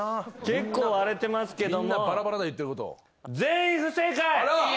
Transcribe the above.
結構割れてますけども。